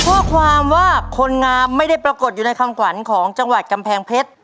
ข้อความว่าคนงามไม่ได้ปรากฏอยู่ในคำขวัญของจังหวัดกำแพงเพชร